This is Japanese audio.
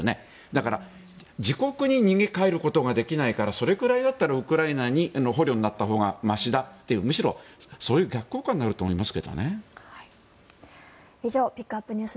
だから自国に逃げ帰ることができないからそれくらいだったらウクライナの捕虜になったほうがましだというむしろ、そういうここからは林さん、仁科さんです。